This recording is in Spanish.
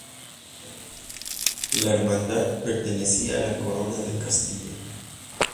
La hermandad pertenecía a la Corona de Castilla.